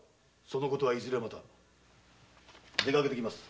その事はいずれまた出かけて来ます。